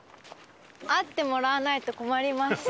あってもらわないと困ります。